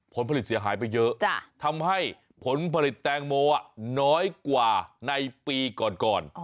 ผลผลิตเสียหายไปเยอะทำให้ผลผลิตแตงโมน้อยกว่าในปีก่อนก่อน